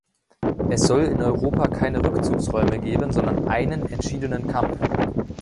Es soll in Europa keine Rückzugsräume geben, sondern einen entschiedenen Kampf.